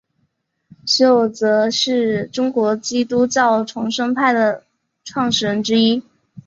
徐永泽是中国基督教重生派的创始人之一。